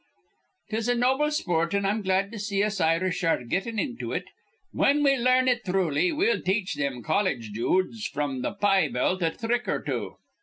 "'Tis a noble sport, an' I'm glad to see us Irish ar re gettin' into it. Whin we larn it thruly, we'll teach thim colledge joods fr'm th' pie belt a thrick or two."